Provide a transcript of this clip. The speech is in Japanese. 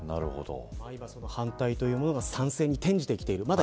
今、反対というものが賛成に転じてきている。